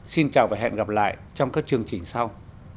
xin chào và hẹn gặp lại trong các chương trình sau